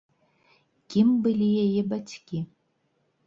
Кім былі яе бацькі?